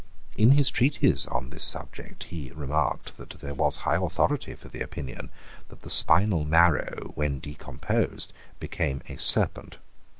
In his treatise on this subject, he remarked that there was high authority for the opinion that the spinal marrow, when decomposed, became a serpent.